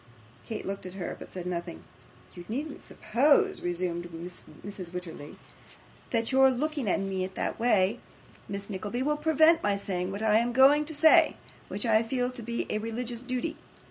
Kate looked at her, but said nothing. 'You needn't suppose,' resumed Mrs. Wititterly, 'that your looking at me in that way, Miss Nickleby, will prevent my saying what I am going to say, which I feel to be a religious duty.